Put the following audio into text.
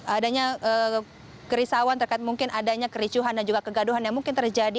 adanya kerisauan terkait mungkin adanya kericuhan dan juga kegaduhan yang mungkin terjadi